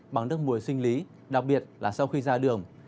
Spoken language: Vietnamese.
bằng nước mùi sinh lý đặc biệt là sau khi ra đường